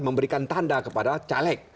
memberikan tanda kepada caleg